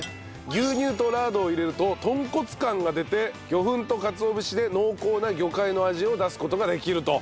牛乳とラードを入れると豚骨感が出て魚粉とかつお節で濃厚な魚介の味を出す事ができると。